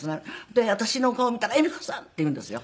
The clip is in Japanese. で私の顔見たら「恵美子さん」って言うんですよ。